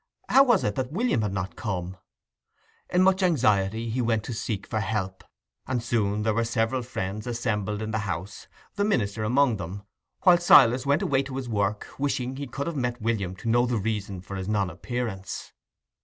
How was it that William had not come? In much anxiety he went to seek for help, and soon there were several friends assembled in the house, the minister among them, while Silas went away to his work, wishing he could have met William to know the reason of his non appearance.